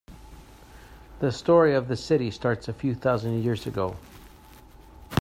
The story of the city starts a few thousand years ago.